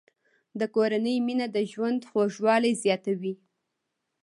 د کورنۍ مینه د ژوند خوږوالی زیاتوي.